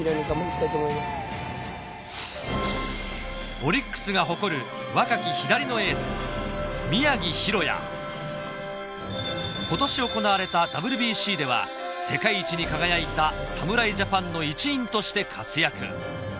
オリックスが誇る若き左のエース今年行われたＷＢＣでは世界一に輝いた侍ジャパンの一員として活躍